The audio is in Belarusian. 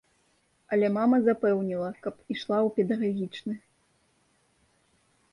Але мама запэўніла, каб ішла ў педагагічны.